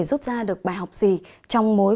rút ra được bài học gì trong mối